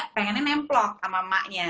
pengennya nempelok sama emaknya